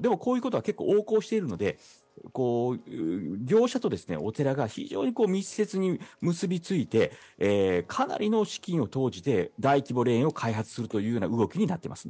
でも、こういうことは結構横行しているので業者とお寺が非常に密接に結びついてかなりの資金を投じて大規模霊園を開発するという動きになっています。